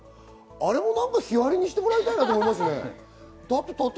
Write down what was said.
あれも日割りにしてもらいたいなと思いますね。